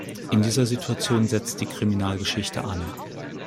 In dieser Situation setzt die Kriminalgeschichte an.